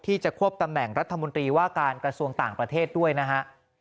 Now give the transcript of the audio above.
จะควบตำแหน่งรัฐมนตรีว่าการกระทรวงต่างประเทศด้วยนะฮะ